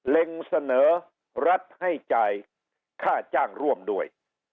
เล็งเสนอรัฐให้จ่ายค่าจ้างร่วมด้วย